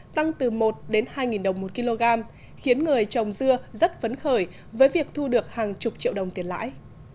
tăng từ một đến hai đồng một kg khiến người trồng dưa rất phấn khởi với việc thu được hàng chục triệu đồng tiền lãi